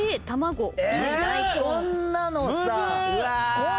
こんなのさ。